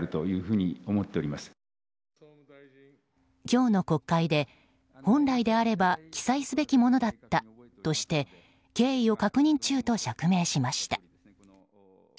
今日の国会で、本来であれば記載すべきものだったとして経緯を確認中と釈明しました。